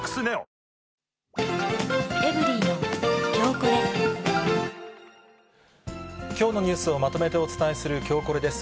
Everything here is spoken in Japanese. ここまで、きょうのニュースをまとめてお伝えする、きょうコレです。